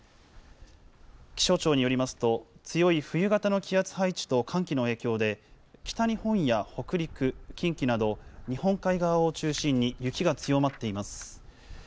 気象庁によりますと、強い冬型の気圧配置と寒気の影響で、北日本や北陸、近畿など、日本海側を中心に雪が強まっています。